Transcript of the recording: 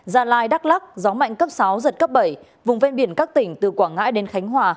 gia lai đắk lắc gió mạnh cấp sáu giật cấp bảy vùng ven biển các tỉnh từ quảng ngãi đến khánh hòa